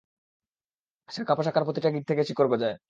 শাখা-প্রশাখার প্রতিটা গিঁট থেকে শিকড় গজায়।